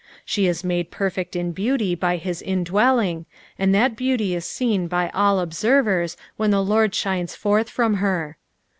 She is made perfect in beautj by hia indwelling, and that beaut; is seen by all observers when the Lord shines forth fram her.